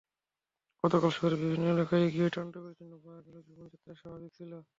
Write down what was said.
গতকাল শহরের বিভিন্ন এলাকায় গিয়ে তাণ্ডবের চিহ্ন পাওয়া গেলেও জীবনযাত্রা স্বাভাবিক ছিল।